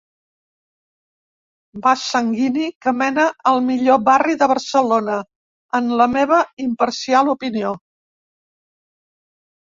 Vas sanguini que mena al millor barri de Barcelona, en la meva imparcial opinió.